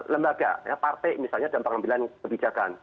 lembaga partai misalnya dan pengambilan kebijakan